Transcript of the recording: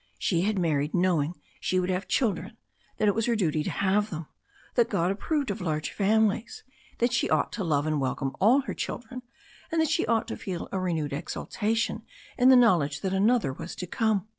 She had married knowing she would have children, that it was her duty to have them, that God ap proved of large families, that she ought to love and welcome all her children, and that she ought to feel a renewed exal tation in the knowledge that another was to come.